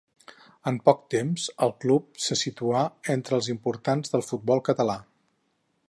En poc temps, el nou club se situà entre els importants del futbol català.